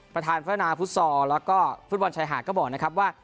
ประธานพัฒนาฟุตซอลแล้วก็ฟุตบอลชายหาดก็บอกนะครับว่า